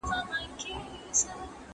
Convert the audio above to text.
بانکي سیستم څنګه تقویه کېږي؟